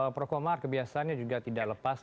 baik prokomar kebiasaannya juga tidak lepas